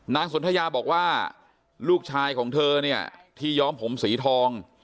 สนทยาบอกว่าลูกชายของเธอเนี่ยที่ย้อมผมสีทอง